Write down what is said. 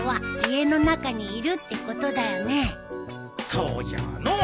そうじゃのう。